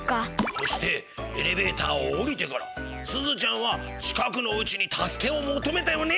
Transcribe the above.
そしてエレベーターをおりてからスズちゃんは近くのうちに助けを求めたよね。